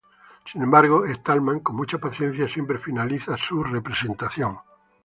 Sin embargo, Stallman, con mucha paciencia, siempre finaliza su representación.